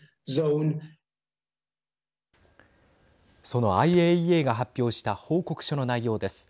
そのＩＡＥＡが発表した報告書の内容です。